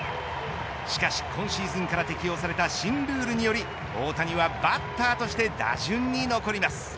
しかし今シーズンから適用された新ルールにより大谷はバッターとして打順に残ります。